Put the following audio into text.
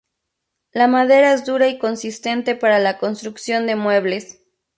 La madera es dura y consistente para la construcción de muebles.